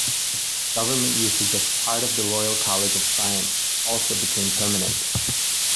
Government usage of part of the Royal College of Science also became permanent.